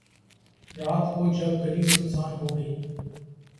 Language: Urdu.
رات کو جب گلی سنسان ہو گئی